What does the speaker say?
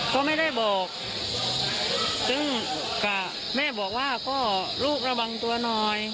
ก็ไม่ได้บอกซึ่งกับแม่บอกว่าก็ลูกระวังตัวหน่อย